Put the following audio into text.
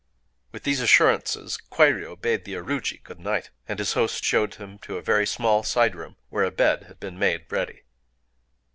With these assurances, Kwairyō bade the aruji good night; and his host showed him to a very small side room, where a bed had been made ready.